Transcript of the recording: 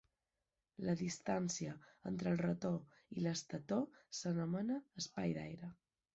La distància entre el rotor i l'estator s'anomena espai d'aire.